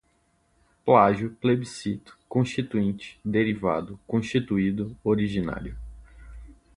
plágio, plebiscito, constituinte, derivado, constituído, originário